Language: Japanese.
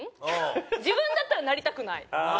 自分だったらなりたくない。